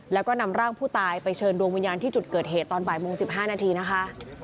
แล้วก็นำร่างผู้ตายไปเชิญดวงวิญญาณที่จุดเกิดเหตุตอนบ่ายโมง๑๕นาทีนะคะ